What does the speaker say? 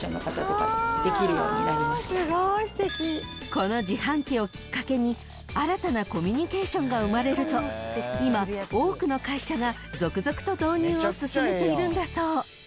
［この自販機をきっかけに新たなコミュニケーションが生まれると今多くの会社が続々と導入を進めているんだそう］